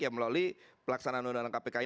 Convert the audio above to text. yang melalui pelaksanaan undangan kpk ini